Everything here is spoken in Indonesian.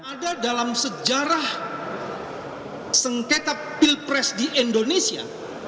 ada dalam sejarah sengketa pilpres di indonesia